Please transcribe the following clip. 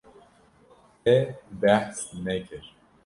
Te behs nekir.